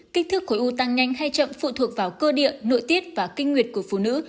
kích thước khối u tăng nhanh hay chậm phụ thuộc vào cơ địa nội tiết và kinh nguyệt của phụ nữ